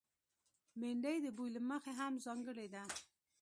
بېنډۍ د بوي له مخې هم ځانګړې ده